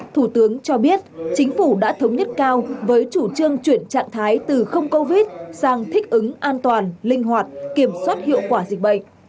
thủ tướng cho biết chính phủ đã thống nhất cao với chủ trương chuyển trạng thái từ không covid sang thích ứng an toàn linh hoạt kiểm soát hiệu quả dịch bệnh